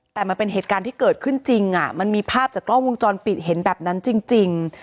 แต่มันเป็นเหตุการณ์ที่เกิดขึ้นจริงมันมีภาพจากกล้องวงจรปิดเห็นแบบนั้นจริง